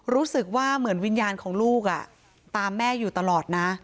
รู้สึกว่าเหมือนวิญญาณของลูกตามแม่อยู่ตลอดนะ